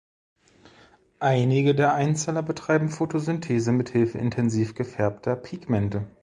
Einige der Einzeller betreiben Photosynthese mit Hilfe intensiv gefärbter Pigmente.